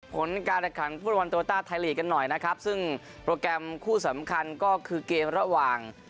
ผลการแข่งขันฟุตบอลโลต้าไทยลีกกันหน่อยนะครับซึ่งโปรแกรมคู่สำคัญก็คือเกมระหว่าง